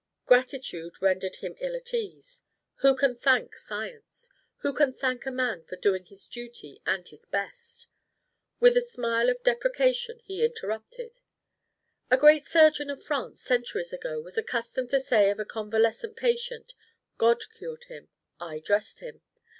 Gratitude rendered him ill at ease: who can thank Science? Who can thank a man for doing his duty and his best? With a smile of deprecation he interrupted: "A great surgeon of France centuries ago was accustomed to say of a convalescent patient: 'God cured him; I dressed him.'